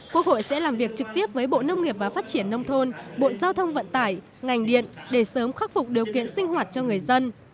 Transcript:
quốc hội sẽ làm việc trực tiếp với bộ nông nghiệp và phát triển nông thôn bộ giao thông vận tải ngành điện để sớm khắc phục điều kiện sinh hoạt cho người dân